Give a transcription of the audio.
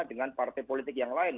dengan partai politik yang lain